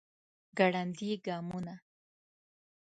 ګړندي ګامونه